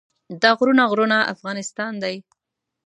دا غرونه غرونه افغانستان دی.